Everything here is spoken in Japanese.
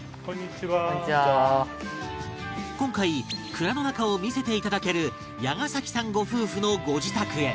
今回蔵の中を見せていただける矢ヶ崎さんご夫婦のご自宅へ